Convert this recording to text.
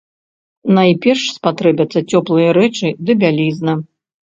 Найперш спатрэбяцца цёплыя рэчы ды бялізна.